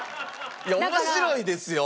いや面白いですよ。